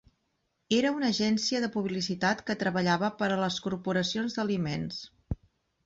Era una agència de publicitat que treballava per a les corporacions d'aliments.